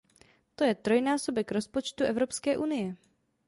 To je trojnásobek rozpočtu Evropské unie!